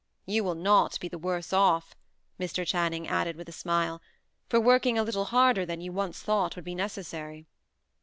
You will not be the worse off," Mr. Channing added with a smile, "for working a little harder than you once thought would be necessary."